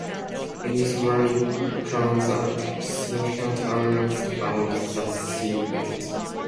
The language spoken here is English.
In this way it churns up significant areas of the seabed.